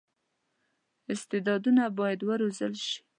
استعدادونه باید وروزل شي.